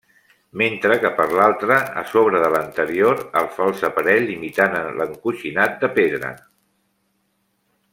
Mentre que per l'altra, a sobre de l'anterior el fals aparell imitant l'encoixinat de pedra.